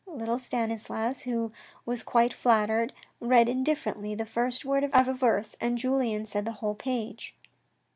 Little Stanislas, who was quite flattered, read indifferently the first word of a verse, and Julien said the whole page.